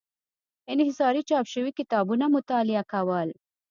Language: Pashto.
انحصاري چاپ شوي کتابونه مطالعه کول.